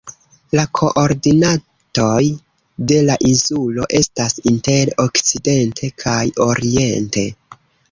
La koordinatoj de la insulo estas inter okcidente kaj oriente.